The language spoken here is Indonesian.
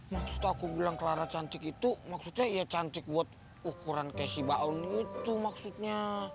maksud aku bilang clara cantik itu maksudnya ya cantik buat ukuran kesi baun itu maksudnya